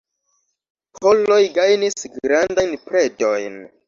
Poloj gajnis grandajn predojn.